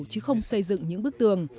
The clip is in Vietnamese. chứ không xây dựng những bức tường